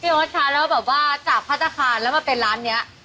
โอ๊ตค่ะแล้วแบบว่าจากพัฒนาคารแล้วมาเป็นร้านนี้